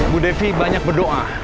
bu devi banyak berdoa